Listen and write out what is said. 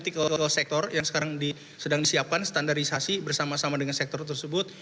tiga critical sector yang sekarang sedang disiapkan standarisasi bersama sama dengan sektor tersebut